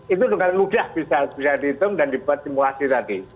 itu dengan mudah bisa dihitung dan dibuat simulasi tadi